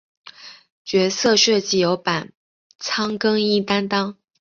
角色设计由板仓耕一担当。